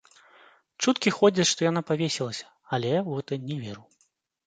Чуткі ходзяць, што яна павесілася, але я ў гэта не веру.